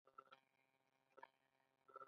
متلونه د یوې پېښې لنډیز او نچوړ دي